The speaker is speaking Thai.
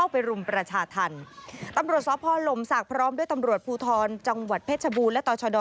เพราะพอลมศักดิ์พร้อมด้วยตำรวจภูทรจังหวัดเพชรชบูรณ์และตอชดอ